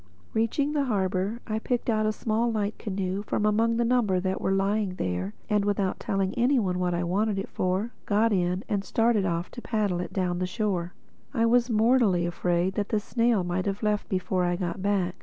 Reaching the harbor, I picked out a small light canoe from among the number that were lying there and without telling any one what I wanted it for, got in and started off to paddle it down the shore. I was mortally afraid that the snail might have left before I got back.